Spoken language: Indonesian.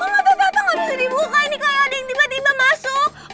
kok gak apa apa gak bisa dibuka ini kayak ada yang tiba tiba masuk